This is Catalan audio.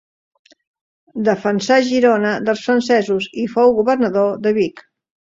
Defensà Girona dels francesos i fou governador de Vic.